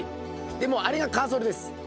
でもうあれがカーソルです。